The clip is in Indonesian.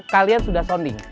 kalian sudah sounding